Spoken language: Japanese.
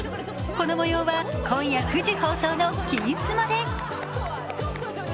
この模様は今夜９時放送の「金スマ」で。